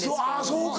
そうか。